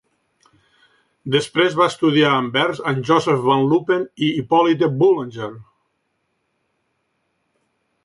Després va estudiar a Anvers amb Joseph Van Luppen i Hippolyte Boulenger.